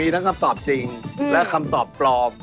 ทั้งคำตอบจริงและคำตอบปลอม